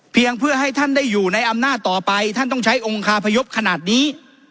เพื่อให้ท่านได้อยู่ในอำนาจต่อไปท่านต้องใช้องคาพยพขนาดนี้